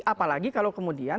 apalagi kalau kemudian